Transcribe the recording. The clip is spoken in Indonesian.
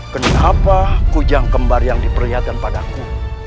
kenapa kujang kembar yang diperlihatkan padaku